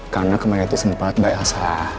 karena kemarin itu sempat bayasa